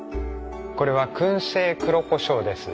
これは燻製黒こしょうです。